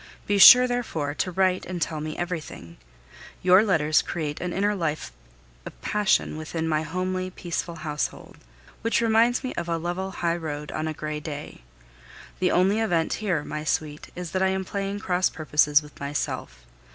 Be sure, therefore, to write and tell me everything. Your letters create an inner life of passion within my homely, peaceful household, which reminds me of a level highroad on a gray day. The only event here, my sweet, is that I am playing cross purposes with myself.